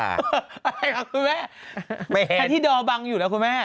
อะไรค่ะคุณแม่แททีดอบังอยู่แล้วคุณแม่